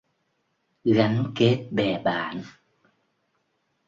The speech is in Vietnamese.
Gắn kết bè bạn